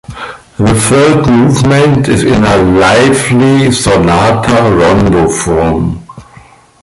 The third movement is in a lively sonata-rondo form.